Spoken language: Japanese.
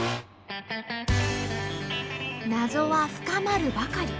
謎は深まるばかり。